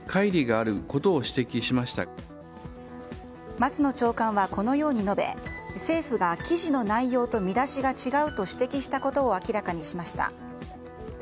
松野長官はこのように述べ政府が記事の内容と見出しが違うと指摘したことを明らかにしました。